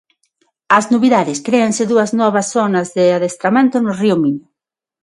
As novidades: créanse dúas novas zonas de adestramento no río Miño.